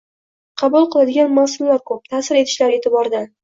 qabul qiladigan mas’ullar ko‘p ta’sir etishlari e’tiboridan